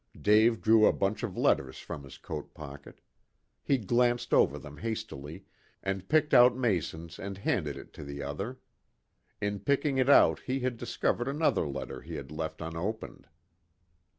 Dave drew a bunch of letters from his coat pocket. He glanced over them hastily, and picked out Mason's and handed it to the other. In picking it out he had discovered another letter he had left unopened.